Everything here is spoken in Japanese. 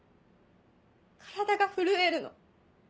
体が震えるの。